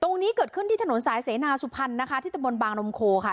ตรงนี้เกิดขึ้นที่ถนนสายเสนาสุพรรณนะคะที่ตะบนบางนมโคค่ะ